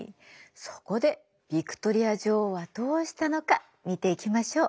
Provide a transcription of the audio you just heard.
そこでヴィクトリア女王はどうしたのか見ていきましょう。